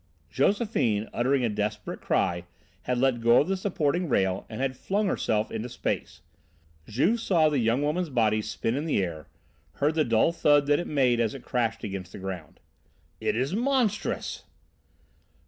Josephine, uttering a desperate cry, had let go of the supporting rail and had flung herself into space. Juve saw the young woman's body spin in the air, heard the dull thud that it made as it crashed against the ground. "It is monstrous!"